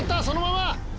そのまま。